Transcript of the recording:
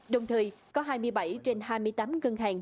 đồng thời có hai mươi bảy trên hai mươi tám ngân hàng